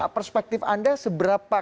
perspektif anda seberapa